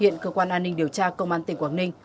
hiện cơ quan an ninh điều tra công an tỉnh quảng ninh